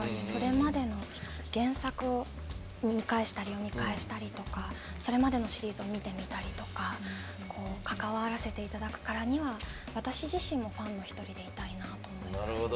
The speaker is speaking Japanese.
それまでの原作を見返したり読み返したりそれまでのシリーズを見てみたりとか関わらせていただくからには私自身もファンの一人でいたいなと思います。